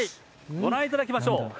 ご覧いただきましょう。